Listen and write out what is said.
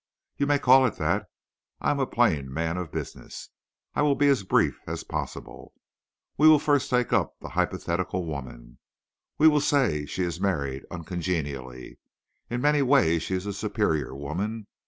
"You may call it that. I am a plain man of business. I will be as brief as possible. We will first take up hypothetical woman. We will say she is married uncongenially. In many ways she is a superior woman.